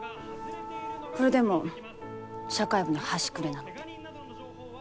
これでも社会部の端くれなので。